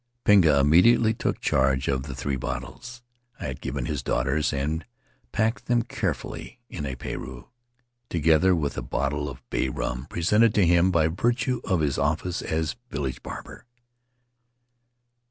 Pinga immediately took charge of the three bottles I had given his daughters and packed them carefully in a jpareu, together with a bottle of bay rum presented to him by virtue of his office as village barber.